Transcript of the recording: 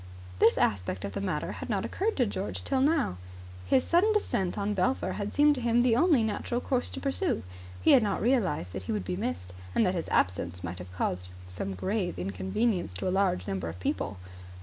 This aspect of the matter had not occurred to George till now. His sudden descent on Belpher had seemed to him the only natural course to pursue. He had not realized that he would be missed, and that his absence might have caused grave inconvenience to a large number of people.